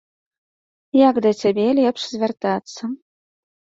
Як да цябе лепш звяртацца?